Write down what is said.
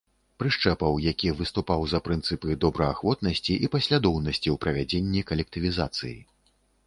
Прышчэпаў, які выступаў за прынцыпы добраахвотнасці і паслядоўнасці ў правядзенні калектывізацыі.